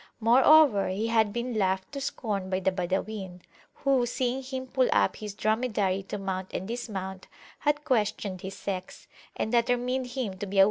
Moreover, he had been laughed to scorn by the Badawin, who seeing him pull up his dromedary to mount and dismount, had questioned his sex, and determined him to be [p.